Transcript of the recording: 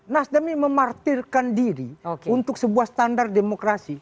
nasdem ini memartirkan diri untuk sebuah standar demokrasi